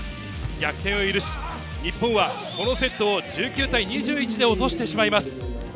逆転を許し、日本はこのセットを１９対２１で落としてしまいます。